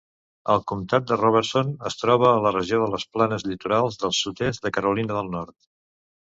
El comptat de Robeson es troba a la regió de les Planes Litorals al sud-est de Carolina del Nord.